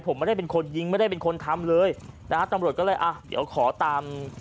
ผมไม่ได้เป็นคนยิงไม่ได้เป็นคนทำเลยนะฮะตำรวจก็เลยอ่ะเดี๋ยวขอตาม